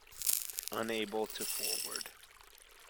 Unable to forward.